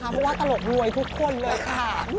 เพราะว่าตลกมวยทุกคนเลยค่ะ